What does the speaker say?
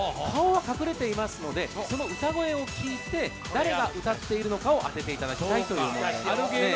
顔は隠れていますのでその歌声を聴いて誰が歌っているのかを当てていただきたいと思います。